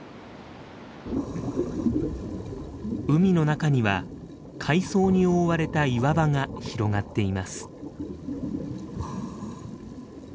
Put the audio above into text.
海の中には海藻に覆われた岩場が広がっています。